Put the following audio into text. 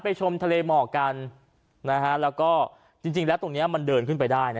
ไปชมทะเลเหมาะกันนะฮะแล้วก็จริงแล้วตรงเนี้ยมันเดินขึ้นไปได้น่ะ